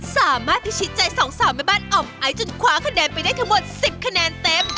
สามารถพิชิตใจสองสาวแม่บ้านอ่อมไอซ์จนคว้าคะแนนไปได้ทั้งหมด๑๐คะแนนเต็ม